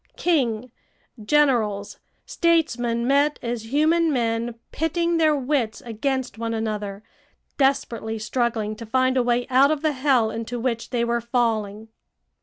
King, generals, statesmen met as human men pitting their wits against one another, desperately struggling to find a way out of the hell into which they were falling.